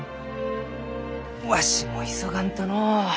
わしも急がんとのう。